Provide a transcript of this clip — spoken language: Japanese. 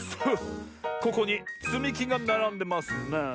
ここにつみきがならんでますね。